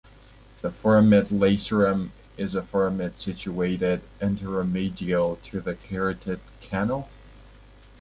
The foramen lacerum is a foramen situated anteromedial to the carotid canal.